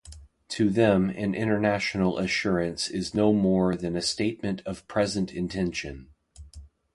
To them an international assurance is no more than a statement of present intention.